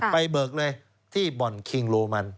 เบิกเลยที่บ่อนคิงโรมัน